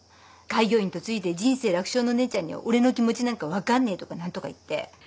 開業医に嫁いで人生楽勝の姉ちゃんには俺の気持ちなんか分かんねえとか何とか言って。